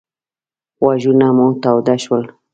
غوږونه مو تاوده شول.